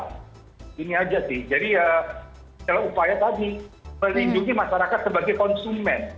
melindungi masyarakat sebagai konsumen